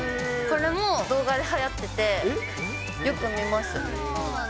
これも動画ではやってて、よく見ます。